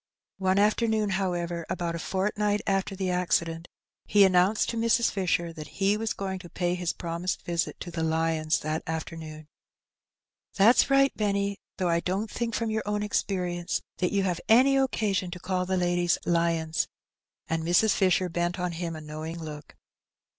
One afternoon, however, about a fortnight after the acci dent, he announced to Mrs. Fisher that he was going to pay his promised visit to the lions that afternoon. '^That's right, Benny; though I don't think from your own experience that you have any occasion to call the ladies lions,'' and Mrs. Fisher bent on him a knowing look.